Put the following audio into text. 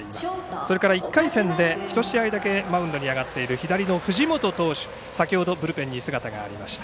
そして、１回戦で１試合だけマウンドに上がっている藤本投手先ほどブルペンに姿がありました。